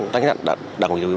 đăng ký đăng ký đăng ký